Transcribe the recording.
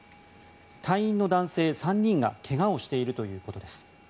隊員の男性３人が怪我をしているということです。